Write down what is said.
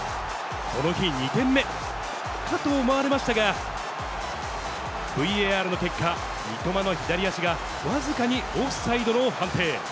この日、２点目、かと思われましたが、ＶＡＲの結果、三笘の左足が僅かにオフサイドの判定。